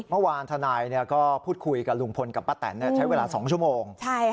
เมื่อวานทนายก็พูดคุยกับลุงพลกับป้าแตนใช้เวลา๒ชั่วโมง